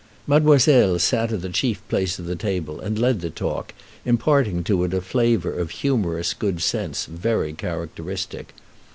Mademoiselle sat at the chief place of the table, and led the talk, imparting to it a flavor of humorous good sense very characteristic.